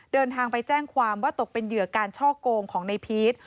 เดินทางไปแจ้งความว่าตกเป็นเหยื่อการช่อโกงของในพีช